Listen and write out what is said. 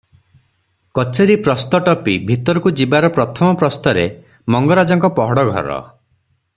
କଚେରି ପ୍ରସ୍ତ ଟପି ଭିତରକୁ ଯିବାର ପ୍ରଥମ ପ୍ରସ୍ତରେ ମଙ୍ଗରାଜଙ୍କ ପହଡ଼ ଘର ।